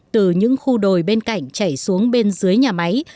từ những khu đồi bên cạnh chảy xuống bên dưới nhà máy